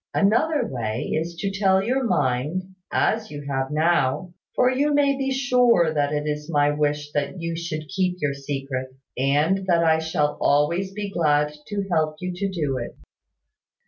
Another way is to tell me your mind, as you have now; for you may be sure that it is my wish that you should keep your secret, and that I shall always be glad to help you to do it.